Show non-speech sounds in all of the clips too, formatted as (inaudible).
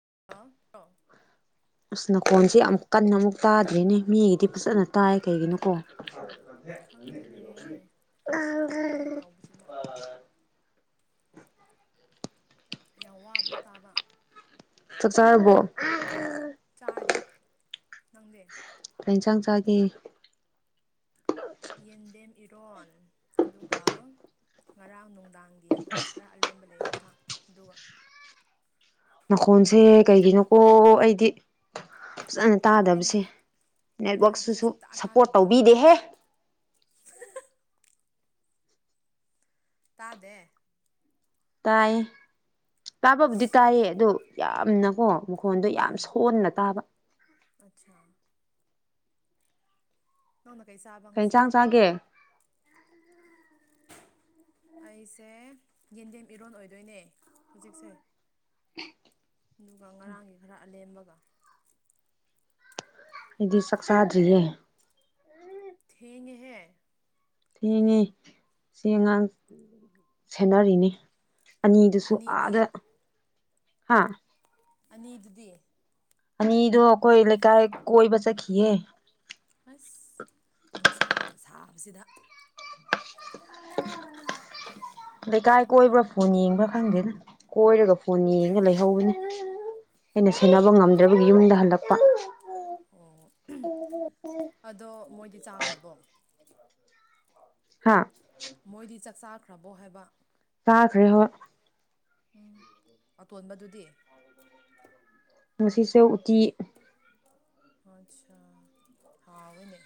(unintelligible) ꯐꯣꯟꯁꯦ ꯌꯥꯝ ꯀꯟꯅ ꯑꯃꯨꯛ ꯇꯥꯗ꯭ꯔꯤꯅꯦ ꯃꯤꯒꯤꯗꯤ ꯐꯖꯅ ꯇꯥꯏ ꯀꯩꯒꯤꯅꯣꯀꯣ ꯈꯪꯗꯦꯅꯦ ꯍꯦꯛ ꯍꯦꯛ ꯇꯧꯕꯁꯤꯅ (unintelligible) ꯌꯥꯝ ꯋꯥꯕ꯭ꯔꯣ ꯇꯥꯕ ꯆꯥꯛ ꯆꯥꯔꯕꯣ ꯆꯥꯔꯤ ꯅꯪꯗꯤ ꯏ ꯌꯦꯟꯗꯦꯝ ꯏꯔꯣꯟ ꯑꯗꯨꯒ ꯉꯔꯥꯡ ꯅꯨꯡꯗꯥꯡꯒꯤ ꯈꯔ ꯑꯂꯦꯝꯕ ꯂꯩꯌꯦ ꯆꯥꯛ ꯑꯗꯨꯒ ꯃꯈꯣꯟꯁꯦ ꯀꯩꯒꯤꯅꯣꯀꯣ ꯑꯩꯗꯤ ꯐꯖꯅ ꯑꯩꯅ ꯇꯥꯗꯕꯁꯦ ꯑꯩꯅ ꯍꯥꯏꯕꯁꯦ ꯅꯦꯠꯋꯥꯛꯁꯤꯁꯨ ꯁꯨꯛꯇꯥ ꯁꯄꯣꯔꯠ ꯇꯥꯗꯕ꯭ꯔꯣ ꯇꯧꯕꯤꯗꯦꯍꯦ (unintelligible) ꯇꯥꯗꯦ ꯇꯥꯏ ꯇꯥꯕꯕꯨꯗꯤ ꯇꯥꯏꯌꯦ ꯑꯗꯨ ꯌꯥꯝꯅꯀꯣ ꯃꯈꯣꯟꯗꯣ ꯌꯥꯝ ꯁꯣꯟꯅ ꯇꯥꯕ ꯑꯁꯥ ꯅꯪꯅ ꯀꯔꯤ ꯆꯥꯕ ꯀꯩ ꯉꯁꯤ ꯏꯟꯁꯥꯡ ꯆꯥꯒꯦ ꯑꯩꯁꯦ ꯌꯦꯟꯗꯦꯝ ꯏꯔꯣꯟꯜ ꯑꯣꯏꯗꯣꯏꯅꯦ ꯍꯧꯖꯤꯛꯁꯦ ꯑꯗꯨꯒ ꯉꯔꯥꯡꯒꯤ ꯈꯔ ꯑꯂꯦꯝꯕꯒ ꯑꯩꯗꯤ ꯆꯥꯛꯆꯥꯥꯗ꯭ꯔꯤꯌꯦ ꯊꯦꯡꯉꯦꯍꯦ ꯊꯦꯡꯉꯤ ꯁꯤ ꯉꯥꯡ ꯁꯦꯟꯅꯔꯤꯅꯤ ꯑꯅꯤꯗꯨꯁꯨ ꯑꯅꯤꯗꯤ ꯑꯥꯗ ꯍꯥ ꯑꯅꯤꯗꯨꯗꯤ ꯑꯅꯤꯗꯨꯣ ꯑꯩꯈꯣꯏ ꯂꯩꯀꯥꯏ ꯀꯣꯏꯕ ꯆꯈꯤꯌꯦ ꯑꯁ ꯅꯨꯡꯁꯥꯅ ꯁꯥꯕꯁꯤꯗ ꯂꯩꯀꯥꯏ ꯀꯣꯏꯕ꯭ꯔꯥ ꯐꯣꯟ ꯌꯦꯡꯕ꯭ꯔꯥ ꯈꯪꯗꯦꯅ ꯀꯣꯏꯔꯒ ꯐꯣꯟ ꯌꯦꯡꯉꯒ ꯂꯩꯍꯧꯕꯅꯤ ꯑꯩꯅ ꯁꯦꯕ ꯉꯝꯗ꯭ꯔꯕꯒꯤ ꯌꯨꯝꯗ ꯍꯜꯂꯛꯄ ꯑꯣ ꯑꯗꯣ ꯃꯣꯏꯗꯤ ꯆꯥꯈ꯭ꯔꯕꯣ ꯍꯥꯥ ꯃꯣꯏꯗꯤ ꯆꯥꯛ ꯆꯥꯈ꯭ꯔꯕꯣ ꯍꯥꯏꯕ ꯆꯥꯈ꯭ꯔꯦ ꯍꯣꯢ ꯎꯝ ꯑꯇꯣꯟꯕꯗꯨꯗꯤ ꯉꯁꯤꯁꯨ ꯎꯇꯤ ꯑꯆꯥ ꯍꯥꯎꯋꯦꯅꯦ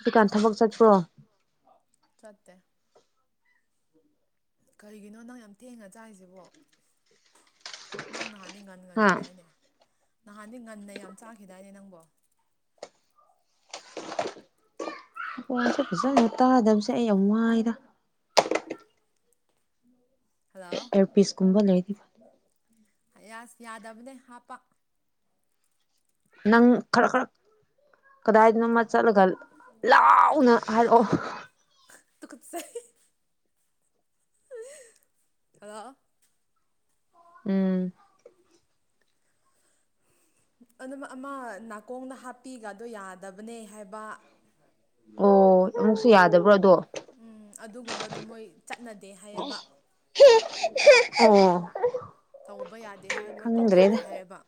ꯑꯗꯨꯀꯥꯟ ꯊꯕꯛ ꯆꯠꯄ꯭ꯔꯣ ꯆꯠꯇꯦ ꯀꯔꯤꯒꯤꯅꯣ ꯅꯪ ꯌꯥꯝ ꯊꯦꯡꯉ ꯆꯥꯔꯤꯁꯤꯕꯣ ꯅꯪ ꯅꯍꯟ ꯅꯍꯥꯟꯗꯤ ꯉꯒꯟ ꯍꯥ ꯉꯟꯈꯤꯗꯥꯏꯅꯦ ꯅꯍꯥꯟꯗꯤ ꯉꯟꯅ ꯌꯥꯝ ꯆꯥꯈꯤꯗꯥꯏꯅꯦ ꯅꯪꯕꯣ ꯐꯣꯟꯁꯦ ꯐꯖꯅ ꯇꯥꯗꯕꯁꯦ ꯑꯩ ꯌꯥꯝ ꯋꯥꯏꯗ ꯍꯜꯂꯣ ꯏꯌꯥꯔꯄꯤꯁ ꯀꯨꯝꯕ ꯂꯩꯔꯥꯗꯤ ꯐ ꯌꯥꯁ ꯌꯥꯗꯕꯅꯦ ꯍꯥꯞꯄ ꯅꯪ ꯈꯔ ꯈꯔ ꯀꯗꯥꯏꯗꯅꯣ ꯑꯃ ꯆꯠꯂꯒ ꯂꯥꯎꯅ ꯍꯥꯏꯔꯛꯑꯣ ꯇꯨ ꯒꯠꯆꯩ ꯍꯜꯂꯣ ꯎꯝ ꯑꯗꯨꯝ ꯑꯃ ꯅꯥꯀꯣꯡꯅ ꯍꯥꯞꯄꯤꯒꯗꯣ ꯌꯥꯗꯕꯅꯦ ꯍꯥꯏꯕ ꯑꯣ ꯑꯃꯨꯛꯁꯨ ꯌꯥꯗꯕ꯭ꯔꯣ ꯑꯗꯣ ꯎꯝ ꯑꯗꯨꯒꯨꯝꯕꯗꯣ ꯃꯣꯏ ꯆꯠꯅꯗꯦ ꯍꯥꯏꯌꯦꯕ (unintelligible) ꯇꯧꯕ ꯌꯥꯗꯦ ꯍꯥꯏ ꯃꯣꯏ ꯀꯛꯊꯠꯂꯦ ꯍꯥꯏꯌꯦꯕ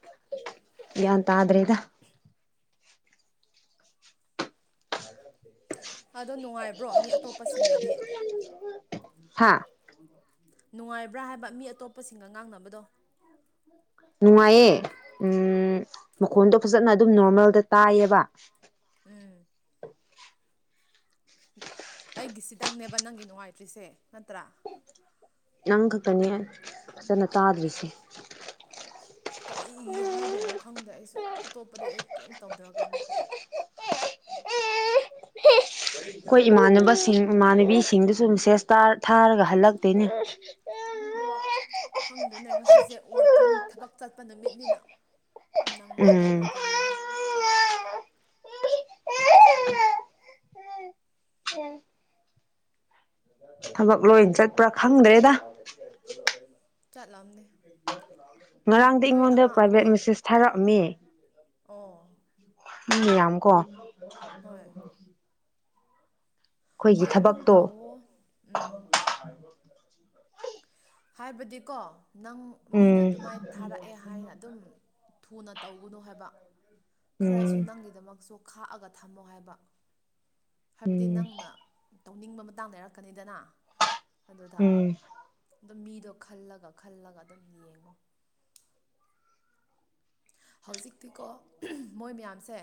ꯒꯤꯌꯟ ꯇ꯭ꯔꯦꯗ ꯑꯗꯣ ꯅꯨꯡꯉꯥꯏꯕ꯭ꯔꯣ ꯃꯤ ꯑꯇꯣꯞꯄꯁꯤꯡꯒꯗꯤ ꯍꯥꯥ ꯅꯨꯡꯉꯥꯏꯕ꯭ꯔꯥ ꯍꯥꯏꯕ ꯃꯤ ꯑꯇꯣꯞꯄꯁꯤꯡꯒ ꯉꯥꯡꯅꯕꯗꯣ ꯅꯨꯡꯉꯥꯏꯌꯦ ꯎꯝ ꯃꯈꯣꯟꯗꯣ ꯐꯖꯅ ꯑꯗꯨꯝ ꯅꯣꯔꯃꯦꯜꯗ ꯇꯥꯏꯌꯦꯕ ꯎꯝ ꯑꯩꯒꯤꯁꯤꯗꯪꯅꯦꯕ ꯅꯪꯒꯤ ꯅꯨꯡꯉꯥꯏꯇ꯭ꯔꯤꯁꯦ ꯅꯠꯇ꯭ꯔꯥ ꯅꯪ ꯈꯛꯇꯅꯦ ꯐꯖꯅ ꯇꯥꯗ꯭ꯔꯤꯁꯦ ꯀꯩꯒꯤ ꯍꯥꯏꯗꯣꯏꯅꯣ ꯈꯪꯗꯦ ꯑꯩꯁꯨ ꯑꯇꯣꯞꯄꯗꯤ ꯑꯩ ꯀꯩꯝ ꯇꯧꯗ꯭ꯔꯒ ꯑꯃꯨꯛ ꯑꯩꯈꯣꯏ ꯏꯃꯥꯟꯅꯕꯁꯤꯡ ꯏꯃꯥꯟꯅꯕꯤꯁꯤ ꯁꯤꯡꯗꯨꯁꯨ ꯃꯤꯁꯦꯁ ꯊꯥ ꯊꯥꯔꯒ ꯍꯜꯂꯛꯇꯦꯅꯦ ꯈꯪꯗꯦꯅꯦ ꯉꯁꯤꯁꯦ ꯋꯥꯔꯀꯤꯡ ꯊꯕꯛ ꯆꯠꯄ ꯅꯨꯃꯤꯠꯅꯤꯅ ꯎꯝ ꯅꯪꯅꯗꯕ꯭ꯔꯥ ꯀꯔꯤꯔ ꯊꯕꯛ ꯂꯣꯏ ꯆꯠꯄ꯭ꯔꯥ ꯈꯪꯗ꯭ꯔꯦꯗ ꯆꯠꯂꯝꯅꯤ ꯉꯔꯥꯡꯗꯤ ꯅꯣꯏ ꯑꯩꯉꯣꯟꯗ ꯑꯉꯥꯡ ꯄ꯭ꯔꯥꯏꯚꯦꯠ ꯃꯦꯁꯦꯁ ꯊꯥꯔꯛꯑꯝꯃꯤ ꯑꯣ ꯃꯤ ꯌꯥꯝꯀꯣ ꯍꯣꯏ ꯍꯣꯏ ꯑꯗꯨꯝ ꯇꯧꯋꯣ ꯎꯝ (unintelligible) ꯍꯥꯏꯕꯗꯤꯀꯣ ꯅꯪ ꯃꯤꯅ ꯎꯝ ꯑꯗꯨꯃꯥꯏꯅ ꯊꯥꯔꯛꯑꯦ ꯍꯥꯏꯅ ꯑꯗꯨꯝ ꯊꯨꯅ ꯇꯧꯒꯅꯨ ꯍꯥꯏꯕ ꯈꯔꯁꯨ ꯎꯝ ꯅꯪꯒꯤꯗꯃꯛ ꯆꯨ ꯈꯥꯛꯑꯒ ꯊꯝꯃꯣ ꯍꯥꯏꯕ ꯍꯥꯏꯕꯗꯤ ꯎꯝ ꯅꯪꯅ ꯇꯧꯅꯤꯡꯕ ꯃꯇꯥꯡ ꯂꯩꯔꯛꯀꯅꯤꯗꯅ ꯑꯗꯨꯗ ꯎꯝ ꯑꯗꯨꯝ ꯃꯤꯗꯣ ꯈꯜꯂꯒ ꯈꯜꯂꯒ ꯑꯗꯨꯝ ꯌꯦꯡꯉꯣ ꯍꯧꯖꯤꯛꯇꯤꯀꯣ ꯃꯣꯏ ꯃꯌꯥꯝꯁꯦ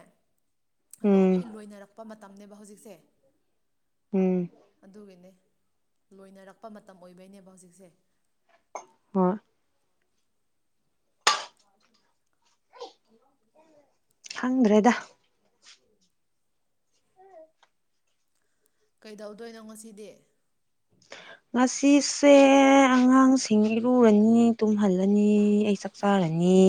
ꯂꯣꯏ ꯎꯝ ꯂꯣꯏꯅꯔꯛꯄ ꯃꯇꯝ ꯇꯅꯦꯕ ꯍꯧꯖꯤꯛꯠꯗꯁꯦ ꯎꯝ ꯑꯗꯨꯒꯤꯅꯦ ꯂꯣꯏꯅꯔꯛꯄ ꯃꯇꯝ ꯑꯣꯏꯕꯩꯅꯦꯕ ꯍꯧꯖꯤꯛꯁꯦ ꯄꯨꯟꯣꯚ ꯍꯪꯗ꯭ꯔꯦꯗ ꯀꯩꯗꯧꯗꯣꯏꯅꯣ ꯉꯁꯤꯗꯤ ꯉꯁꯤꯁꯦ ꯑꯉꯥꯡꯁꯤꯡ ꯏꯔꯨꯔꯅꯤ ꯇꯨꯝꯍꯜꯂꯅꯤ ꯑꯩ ꯆꯥꯛꯆꯥ ꯔꯅꯤ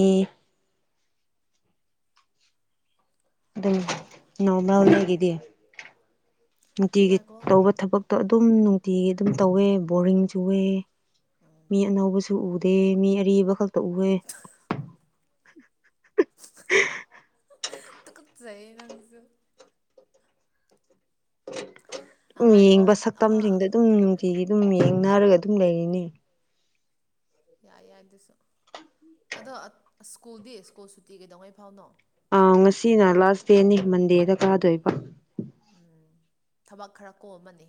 ꯑꯗꯨꯝ ꯑꯥ ꯅꯣꯔꯃꯦꯜ ꯑꯩꯒꯤꯗꯤ ꯅꯨꯡꯇꯤꯒꯤ ꯉꯥꯏꯈꯣ ꯇꯧꯕ ꯊꯕꯛꯇꯣ ꯑꯗꯨꯝ ꯅꯨꯡꯇꯤꯒꯤ ꯑꯗꯨꯝ ꯇꯧꯋꯦ ꯕꯣꯔꯤꯡ ꯆꯨꯋꯦ ꯎꯝ ꯃꯤ ꯑꯅꯧꯕꯁꯨ ꯎꯗꯦ ꯃꯤ ꯑꯔꯤꯕ ꯈꯛꯇ ꯎꯋꯦ ꯇꯨꯀꯠꯆꯩꯌꯦ ꯅꯪꯁꯨ ꯑꯩꯈꯣꯏ ꯉꯥꯏꯈꯣ ꯌꯦꯡꯕ ꯑꯃ ꯁꯛꯇꯝꯁꯤꯡꯗꯣ ꯑꯗꯨꯝ ꯅꯨꯡꯇꯤꯒꯤ ꯑꯗꯨꯝ ꯌꯦꯡꯅꯔꯒ ꯑꯗꯨꯝ ꯂꯩꯔꯤꯅꯤ ꯌꯥꯏ ꯌꯥꯏ ꯑꯗꯨꯁꯨ ꯑꯗꯣ ꯁ꯭ꯀꯨꯜꯗꯤ ꯁ꯭ꯀꯨꯜ ꯁꯨꯇꯤ ꯀꯩꯗꯧꯉꯩ ꯐꯥꯎꯅꯣ ꯑ ꯉꯁꯤꯅ ꯂꯥꯁ ꯗꯦꯅꯤ ꯃꯟꯗꯦꯗ ꯀꯥꯗꯣꯏꯕ ꯎꯝ ꯊꯕꯛ ꯈꯔ ꯀꯣꯝꯃꯅꯤ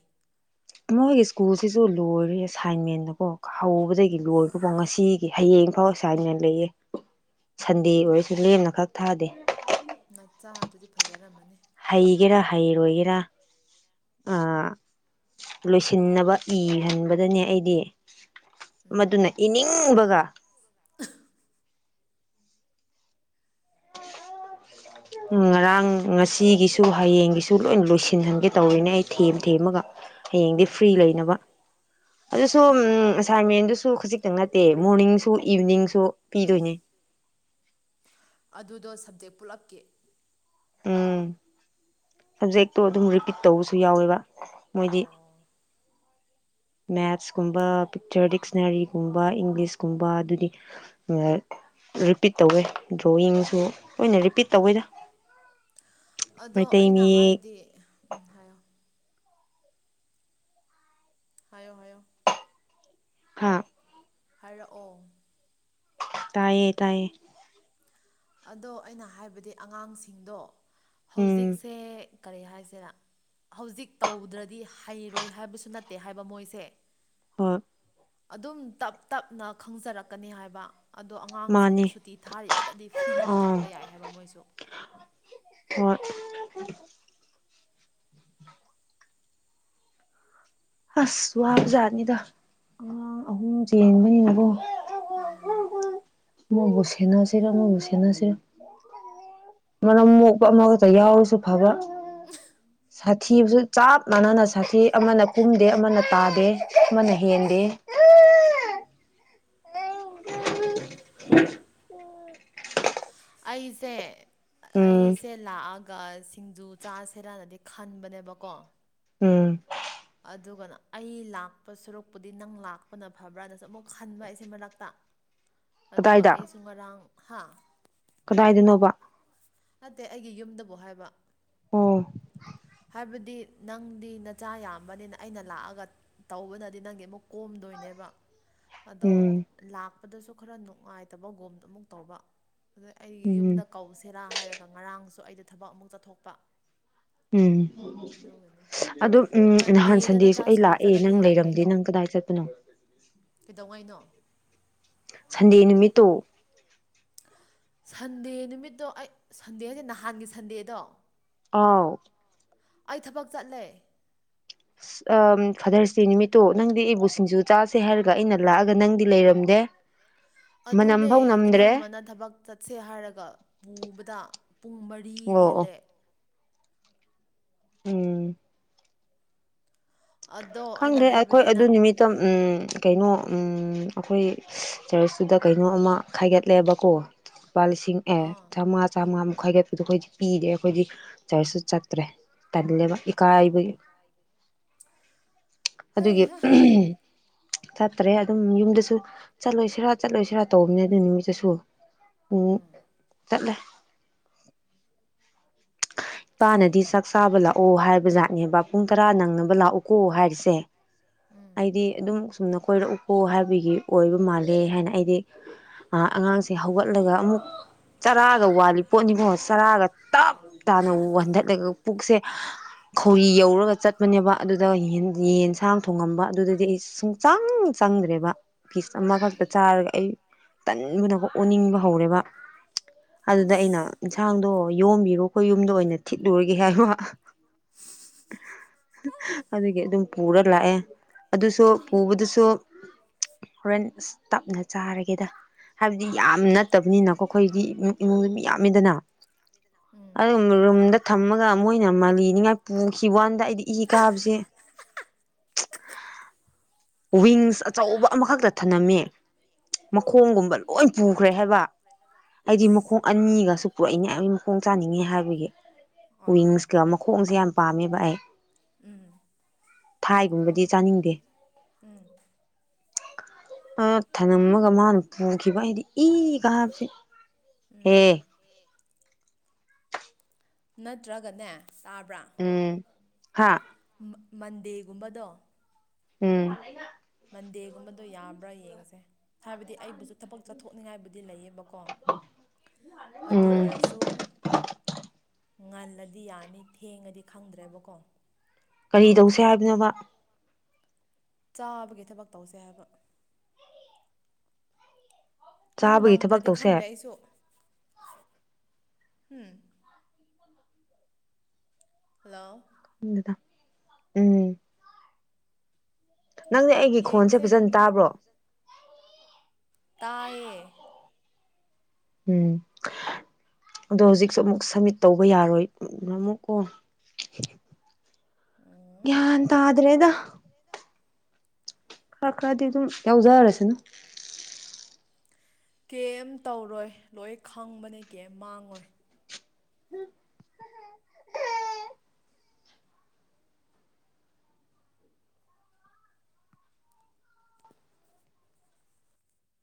ꯃꯣꯏꯒꯤ ꯁ꯭ꯀꯨꯜꯁꯤꯁꯨ ꯂꯣꯏꯔꯦ ꯑꯦꯁꯥꯏꯟꯃꯦꯟꯗꯀꯣ ꯍꯧꯕꯗꯒꯤ ꯐꯣꯡꯕ ꯂꯣꯏꯕꯕꯧ ꯉꯁꯤ ꯍꯌꯦꯡꯐꯥꯎ ꯑꯦꯁꯥꯢꯟꯃꯦꯟ ꯂꯩꯑ ꯁꯟꯗꯦ ꯑꯣꯏꯔꯁꯨ ꯂꯦꯝꯅ ꯈꯛ ꯊꯥꯗꯦ ꯅꯆꯥ ꯑꯗꯨꯗꯤ ꯐꯖꯔꯝꯃꯅꯤ ꯍꯩꯒꯦꯔꯥ ꯍꯩꯔꯣꯏꯒꯦꯔꯥ ꯑ ꯂꯣꯏꯁꯤꯟꯅꯕ ꯏꯍꯟꯕꯗꯅꯦ ꯑꯩꯗꯤ ꯎꯝ ꯃꯗꯨꯅ ꯏꯅꯤꯡꯕꯒ ꯎꯝ ꯉꯔꯥꯡ ꯉꯁꯤꯒꯤꯁꯨ ꯍꯌꯦꯡꯒꯤꯁꯨ ꯂꯣꯏ ꯂꯣꯏꯁꯤ ꯌꯦꯡꯍꯟꯒꯦ ꯇꯧꯔꯤꯅꯦ ꯑꯩ ꯊꯦꯝ ꯊꯦꯝꯃꯒ ꯍꯌꯦꯡꯗꯤ ꯑꯣ ꯐ꯭ꯔꯤ ꯂꯩꯅꯕ ꯑꯠꯆꯥ ꯑꯗꯨꯁꯨ ꯎꯝ ꯑꯠꯆꯥ ꯉꯁꯥꯏ ꯃꯦꯝꯗꯨꯁꯨ ꯈꯖꯤꯛꯇꯪ ꯅꯠꯇꯦ ꯃꯣꯔꯅꯤꯡꯁꯨ ꯏꯚꯤꯅꯤꯡ ꯄꯤꯗꯣꯏꯅꯦ ꯑꯗꯨꯗꯣ ꯁꯞꯖꯦꯛ ꯄꯨꯜꯂꯛꯀꯤ ꯎꯝ ꯁꯞꯖꯦꯛꯇꯣ ꯑꯗꯨꯝ ꯔꯤꯄꯤꯠ ꯇꯧꯕꯁꯨ ꯌꯥꯎꯋꯦꯕ ꯃꯣꯏꯗꯤ ꯑꯣ ꯃꯦꯠꯁꯀꯨꯝꯕ ꯄꯤꯛꯆꯔ ꯗꯤꯛꯁꯅꯔꯤꯒꯨꯝꯕ ꯏꯪꯂꯤꯁꯀꯨꯝꯕ ꯑꯗꯨꯗꯤ ꯑ ꯔꯤꯄꯤꯠ ꯇꯧꯋꯦ ꯗ꯭ꯔꯣꯋꯤꯡꯁꯨ ꯂꯣꯏꯅ ꯔꯤꯄꯤꯠ ꯇꯧꯋꯦꯗ ꯑꯗꯣ ꯃꯩꯇꯩ ꯑꯩꯅ ꯃꯌꯦꯛ ꯍꯥꯏꯗꯤ ꯎꯝ ꯍꯥꯏꯌꯣ ꯍꯥꯏꯌꯣ ꯍꯥꯏꯌꯣ ꯍꯥ ꯍꯥꯏꯔꯛꯑꯣ ꯇꯥꯏꯌꯦ ꯇꯥꯏꯌꯦ ꯑꯗꯣ ꯑꯩꯅ ꯍꯥꯏꯕꯗꯤ ꯑꯉꯥꯡꯁꯤꯡꯗꯣ ꯎꯝ ꯍꯧꯖꯤꯛꯁꯦ ꯀꯔꯤ ꯍꯥꯏꯁꯤꯔ ꯍꯧꯖꯤꯛ ꯇꯧꯗ꯭ꯔꯗꯤ ꯍꯩꯔꯣꯏ ꯍꯥꯏꯕꯁꯨ ꯅꯠꯇꯦ ꯍꯥꯏꯕ ꯃꯣꯏꯁꯦ ꯍꯣꯏ ꯑꯗꯨꯝ ꯇꯞ ꯇꯞꯅ ꯈꯪꯖꯔꯛꯀꯅꯤ ꯍꯥꯏꯕ ꯑꯗꯣ ꯑꯉꯥꯡꯁꯤꯡꯗꯣ ꯃꯥꯅꯤ ꯁꯨꯇꯤ ꯊꯥꯔꯤꯕꯗꯗꯤ ꯐ꯭ꯔꯤꯗꯤ ꯑꯥ ꯊꯝꯕ ꯌꯥꯏ ꯍꯥꯏꯕ ꯃꯣꯏꯁꯨ ꯍꯣꯢ (inaudible) ꯑꯁ ꯋꯥꯕ ꯖꯥꯠꯅꯤꯗ ꯑꯉꯥꯡ ꯑꯍꯨꯝ ꯆꯦꯟꯕꯅꯤꯅꯀꯣ ꯑꯃꯕꯨ ꯁꯦꯅꯁꯤꯔ ꯑꯃꯕꯨ ꯁꯦꯅꯁꯤꯔ ꯃꯅꯝ ꯃꯣꯛꯄ ꯑꯃꯈꯛꯇ ꯌꯥꯎꯔꯁꯨ ꯐꯕ ꯁꯥꯊꯤꯕꯁꯨ ꯆꯞ ꯃꯥꯟꯅꯅ ꯁꯥꯊꯤ ꯑꯃꯅ ꯀꯨꯝꯗꯦ ꯑꯃꯅ ꯇꯥꯗꯦ ꯑꯃꯅ ꯍꯦꯟꯗꯦ ꯑꯁ (inaudible) ꯑꯩꯁꯦ ꯎꯝ ꯑꯩꯁꯦ ꯂꯥꯛꯑ ꯁꯤꯡꯖꯨ ꯆꯥꯁꯤꯔꯅꯗꯤ ꯈꯟꯕꯅꯦꯕꯀꯣ ꯎꯝ ꯑꯗꯨꯒꯅ ꯑꯩ ꯂꯥꯛꯄ ꯁꯨꯔꯣꯛꯄꯨꯗꯤ ꯅꯪ ꯂꯥꯛꯄꯅ ꯐꯕ꯭ꯔꯥꯅꯁꯨ ꯑꯃꯨꯛ ꯈꯟꯕ ꯑꯩꯁꯦ ꯃꯔꯛꯇ ꯑꯗꯨꯒ ꯀꯗꯥꯏꯗ ꯑꯩꯁꯨ ꯉꯔꯥꯡ ꯍꯥ ꯀꯗꯥꯏꯗꯅꯣꯕ ꯑꯠꯇꯦ ꯑꯩꯒꯤ ꯌꯨꯝꯗꯕꯨ ꯍꯥꯏꯕ ꯎꯝ ꯍꯥꯏꯕꯗꯤ ꯅꯪꯗꯤ ꯅꯆꯥ ꯌꯥꯝꯕꯅꯤꯅ ꯑꯩꯅ ꯂꯥꯛꯑꯒ ꯇꯧꯕꯅꯗꯤ ꯅꯪꯒꯤ ꯑꯃꯨꯛ ꯀꯣꯝ ꯗꯣꯏꯅꯦꯕ ꯑꯗꯣ ꯎꯝ ꯂꯥꯛꯄꯗꯁꯨ ꯈꯔ ꯅꯨꯡꯉꯥꯏꯇꯕ ꯒꯣꯝ ꯑꯃꯨꯛ ꯇꯧꯕ ꯑꯩꯒꯤ ꯌꯨꯝꯗ ꯎꯝ ꯀꯧꯁꯤꯔꯥ ꯍꯥꯏꯔꯒ ꯉꯔꯥꯡꯁꯨ ꯑꯩꯗ ꯊꯕꯛ ꯑꯃꯨꯛ ꯆꯠꯊꯣꯛꯄ ꯎꯝ ꯑꯗꯨꯒꯤꯅꯦ ꯑꯗꯣ ꯎꯝ ꯅꯍꯥꯟ ꯃꯟꯗꯦꯗ ꯁꯟꯗꯦꯁꯨ ꯅꯆꯥ ꯑꯩ ꯁ꯭ꯀꯨꯜ ꯂꯥꯛꯑꯦ ꯆꯠꯂꯗꯤ ꯅꯪ ꯌꯥꯏ ꯂꯩꯔꯝꯗꯦ ꯀꯩꯅꯣ ꯅꯪ ꯀꯗꯥꯏ ꯆꯠꯄ ꯅꯣ ꯀꯩꯗꯧꯉꯩꯅꯣ ꯁꯟꯗꯦ ꯅꯨꯃꯤꯠꯇꯣ ꯁꯟꯗꯦ ꯅꯨꯃꯤꯠꯇꯣ ꯑꯩ ꯁꯟꯗꯦ ꯍꯥꯏꯁꯦ ꯅꯍꯥꯟꯒꯤ ꯁꯟꯗꯦꯗꯣ ꯑꯥꯎ ꯑꯩ ꯊꯕꯛ ꯆꯠꯂꯦ ꯑꯥ ꯐꯥꯗꯔꯁꯗꯦ ꯅꯨꯃꯤꯠꯇꯣ ꯅꯪꯗꯤ ꯑꯩꯕꯨ ꯁꯤꯡꯖꯨ ꯆꯥꯁꯦ ꯍꯥꯏꯔꯒ ꯑꯩꯅ ꯂꯥꯛꯑꯒ ꯅꯪꯗꯤ ꯂꯩꯔꯝꯗꯦ (inaudible) ꯑꯗꯨꯅꯦ ꯃꯅꯝꯐꯧ ꯅꯝꯗ꯭ꯔꯦ ꯏꯅꯝꯃꯅ ꯊꯕꯛ ꯆꯠꯁꯦ ꯍꯥꯏꯔꯒ ꯄꯨꯕꯗ ꯄꯨꯡ ꯃꯔꯤ ꯑꯣ ꯑꯣ ꯍꯦꯜꯂꯦ ꯎꯝ ꯑꯗꯣ ꯑꯩꯅ ꯈꯪꯗ꯭ꯔꯦ ꯑꯈꯣꯏ ꯍꯥꯏꯕꯗꯤ ꯑꯗꯨ ꯅꯪ ꯅꯨꯃꯤꯠꯇ ꯎꯝ ꯀꯩꯅꯣ ꯎꯝ ꯑꯈꯣꯏ ꯆꯔꯆꯇꯨꯗ ꯀꯩꯅꯣ ꯑꯃ ꯈꯥꯏꯒꯠꯂꯦꯕꯀꯣ ꯂꯨꯄꯥ ꯂꯤꯁꯤꯡ ꯑꯦ ꯑꯥ ꯆꯥꯝꯃꯉꯥ ꯆꯥꯝꯃꯉꯥ ꯃꯈꯥꯏꯒꯠꯄꯨꯗ ꯑꯈꯣꯏꯗꯤ ꯄꯤꯗꯦ ꯑꯩꯈꯣꯏꯗꯤ ꯆꯔꯁꯨ ꯆꯠꯇ꯭ꯔꯦ ꯇꯜꯂꯦꯕ ꯏꯀꯥꯏꯕ ꯑꯣ ꯑꯗꯨꯒꯤ ꯍꯩꯍꯥ ꯆꯠꯇ꯭ꯔꯦ ꯑꯗꯨꯝ ꯌꯨꯝꯗꯁꯨ ꯆꯠꯂꯣꯏꯁꯤꯔꯥ ꯆꯠꯂꯣꯏꯁꯤꯔꯥ ꯇꯧꯕꯅꯦ ꯑꯗꯨ ꯅꯨꯃꯤꯠꯇꯁꯨ ꯎꯝ ꯆꯠꯂꯦ (inaudible) ꯏꯄꯥꯅꯗꯤ ꯆꯥꯛ ꯆꯥꯕ ꯂꯥꯛꯑꯣ ꯍꯥꯏꯕ ꯖꯥꯠꯅꯦꯕ ꯄꯨꯡ ꯇꯔꯥ ꯅꯪꯅꯕ ꯂꯥꯛꯎꯀꯣ ꯍꯥꯏꯔꯤꯁꯦ ꯎꯝ ꯑꯩꯗꯤ ꯑꯗꯨꯝ ꯁꯨꯝꯅ ꯀꯣꯏꯔꯛꯎꯀꯣ ꯍꯥꯏꯕꯒꯤ ꯑꯣꯏꯕ ꯃꯥꯜꯂꯦ ꯍꯥꯏꯅ ꯑꯩꯗꯤ ꯑꯉꯥꯡꯁꯦ ꯍꯧꯒꯠꯂꯒ ꯑꯃꯨꯛ ꯆꯔꯥꯒ ꯋꯥꯠꯂꯤ ꯄꯣꯠꯅꯤꯀꯣ ꯆꯔꯥꯒ ꯇꯞ ꯇꯥꯞꯇꯅ ꯋꯥꯟꯊꯠꯂꯒ ꯄꯨꯛꯁꯦ ꯈꯧꯔꯤ ꯌꯧꯔꯒ ꯆꯠꯄꯅꯦꯕ ꯑꯗꯨꯗꯒ ꯌꯦꯟꯁꯥꯡ ꯊꯣꯡꯉꯝꯕ ꯑꯗꯨꯗꯗꯤ ꯑꯩ ꯁꯨꯡꯆꯪ ꯆꯪꯗ꯭ꯔꯦꯕ ꯄꯤꯁ ꯎꯝ ꯑꯃꯈꯛꯇ ꯎꯝ ꯆꯥꯔꯒ ꯑꯩ ꯇꯟꯕꯅ ꯑꯣꯟꯅꯤꯡꯕ ꯍꯧꯔꯦꯕ ꯑꯗꯨꯗ ꯑꯩꯅ ꯑꯁ ꯏꯟꯁꯥꯡꯗꯣ ꯌꯣꯝꯕꯤꯔꯣ ꯑꯈꯣꯏ ꯌꯨꯝꯗ ꯑꯣꯏꯅ ꯊꯤꯠꯂꯨꯔꯒꯦ ꯍꯥꯏꯕ ꯑꯗꯨꯒꯤ ꯑꯗꯨꯝ ꯄꯨꯔ ꯂꯥꯛꯑꯦ ꯑꯗꯨꯁꯨ ꯄꯨꯕꯗꯨꯁꯨ (inaudible) ꯍꯣꯔꯦꯟ ꯑꯁ ꯇꯞꯅ ꯆꯥꯔꯒꯦꯗ ꯍꯥꯏꯕꯗꯤ ꯌꯥꯝ ꯅꯠꯇꯕꯅꯤꯅꯀꯣ ꯑꯈꯣꯏꯒꯤꯗꯤ ꯎꯝ ꯏꯃꯨꯡꯗ ꯃꯤ ꯌꯥꯝꯃꯤꯗꯅ (inaudible) ꯑꯗꯨꯝ ꯔꯨꯝꯗ ꯊꯝꯃꯒ ꯃꯣꯏꯅ ꯃꯥꯜꯂꯤꯅꯤꯉꯥꯏ ꯄꯨꯈꯤꯕ ꯋꯥꯟꯗ ꯑꯩꯗꯤ ꯏ ꯀꯥꯕꯁꯦ (inaudible) ꯋꯤꯡꯁ ꯑꯆꯧꯕ ꯑꯃꯈꯛꯇ ꯊꯅꯝꯃꯦ ꯃꯈꯣꯡꯒꯨꯝꯕ ꯂꯣꯏ ꯄꯨꯈ꯭ꯔꯦ ꯍꯥꯏꯕ ꯑꯩꯗꯤ ꯑꯁ ꯃꯈꯣꯡ ꯑꯅꯤꯒꯁꯨ ꯄꯔꯛꯏꯅꯦ ꯑꯩ ꯃꯈꯣꯡ ꯆꯥꯅꯤꯡꯉꯤ ꯍꯥꯏꯕꯒꯤ ꯑꯣ ꯋꯤꯡꯁꯀ ꯃꯈꯣꯡꯁꯦ ꯌꯥꯝ ꯄꯥꯝꯃꯦꯕ ꯑꯩ (unintelligible) ꯐꯥꯏꯒꯨꯝꯕꯗꯤ ꯆꯥꯅꯤꯡꯗꯦ ꯎꯝ ꯑꯃꯈꯛ ꯊꯅꯝꯃꯒ ꯃꯥꯅ ꯄꯨꯈꯤꯕ ꯑꯩꯅ ꯏ ꯀꯕꯁꯦ ꯎꯝ ꯍꯦ ꯅꯠꯇ꯭ꯔꯒꯅꯦ ꯇꯥꯕ꯭ꯔꯥ ꯍꯥꯥ ꯃꯟꯗꯦꯒꯨꯝꯕꯗꯣ ꯎꯝ ꯃꯟꯗꯦꯒꯨꯝꯕꯗꯣ ꯌꯥꯕ꯭ꯔꯥ ꯌꯦꯡꯁꯦ ꯍꯥꯏꯕꯗꯤ ꯑꯩꯕꯨꯁꯨ ꯊꯕꯛ ꯆꯠꯊꯣꯛꯅꯤꯡꯉꯥꯏꯕꯨꯗꯤ ꯂꯩꯌꯦ ꯕꯀꯣ ꯑꯗꯨ ꯎꯝ ꯑꯣꯏꯔꯁꯨ ꯉꯜꯂꯗꯤ ꯌꯥꯅꯤ ꯊꯦꯡꯉꯗꯤ ꯈꯪꯗ꯭ꯔꯦꯕꯀꯣ ꯀꯔꯤ ꯑꯃꯨꯛ ꯇꯧꯁꯦ ꯍꯥꯏꯔꯛꯀꯦ ꯍꯥꯏꯕꯅꯣꯅꯕ ꯆꯥꯕꯒꯤ ꯊꯕꯛ ꯇꯧꯁꯦ ꯍꯥꯏꯕ ꯅꯪ ꯆꯥꯕꯒꯤ ꯊꯕꯛ ꯅꯪꯗ꯭ꯔꯗꯤ ꯇꯧꯁꯦ ꯈꯪꯗꯦ ꯑꯩꯁꯨ ꯎꯝ ꯍꯜꯂꯣ ꯈꯪꯗꯦꯗ ꯎꯝ ꯅꯪꯅꯦ ꯑꯩꯒꯤ ꯈꯣꯟꯁꯦ ꯌꯦꯡꯁꯦ ꯐꯖꯅ ꯅꯪ ꯇꯥꯕ꯭ꯔꯣ ꯇꯥꯏꯌꯦ ꯎꯝ ꯑꯗꯣ ꯍꯧꯖꯤꯛꯁꯨ ꯑꯃꯨꯛ ꯁꯃꯤꯠ ꯇꯧꯕ ꯌꯥꯔꯣꯏ ꯑꯃꯨꯛ ꯀꯣ ꯎꯝ ꯒ꯭ꯌꯥꯟ ꯇꯗꯔꯦꯗ ꯈꯔ ꯈꯔꯗꯤ ꯑꯗꯨꯝ ꯌꯥꯎꯖꯔꯁꯤꯅꯨ ꯀꯩꯝ ꯇꯧꯔꯣꯏ ꯂꯣꯏ ꯈꯪꯕꯅꯦ ꯀꯩꯝ ꯃꯥꯡꯉꯣꯏ